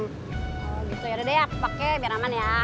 oh gitu yaudah deh aku pake biar aman ya